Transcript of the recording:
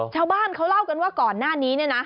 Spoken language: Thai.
ชาวบ้านเขาเล่ากันว่าก่อนหน้านี้เนี่ยนะ